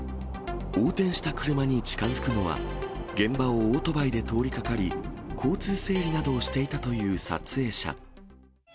横転した車に近づくのは、現場をオートバイで通りかかり、交通整理などをしていたという撮影者。